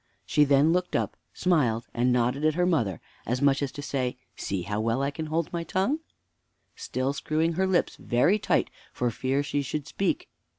She then looked up, smiled and nodded at her mother, as much as to say, "See how well I can hold my tongue," still screwing her lips very tight for fear she should speak.